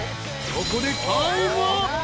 ［ここでタイムアップ］